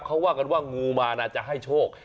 เขาว่ากันว่างูมาน่าจะให้โชค